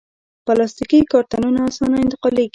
پلاستيکي کارتنونه اسانه انتقالېږي.